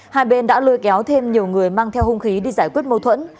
hai bên đã lôi kéo thêm nhiều người mang theo hung khí đi giải quyết mâu thuẫn